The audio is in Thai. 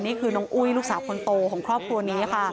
นี่คือน้องอุ้ยลูกสาวคนโตของครอบครัวนี้ค่ะ